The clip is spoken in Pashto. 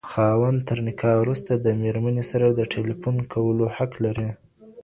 خاوند تر نکاح وروسته د ميرمني سره د ټيليفون کولو حق لري.